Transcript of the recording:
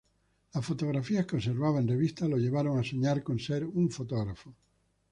Las fotografías que observaba en revistas lo llevaron a soñar con ser un fotógrafo.